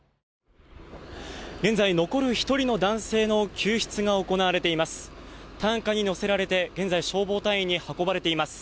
現在、残る１人の男性の救出が行われています。